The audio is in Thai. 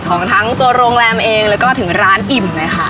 ของทั้งตัวโรงแรมเองแล้วก็ถึงร้านอิ่มเลยค่ะ